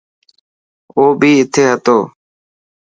او بي اٿي هتو.